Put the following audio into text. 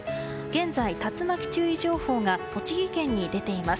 現在、竜巻注意情報が栃木県に出ています。